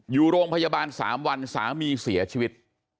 อยู่โรงพยาบาล๓วันสามีเสียชีวิต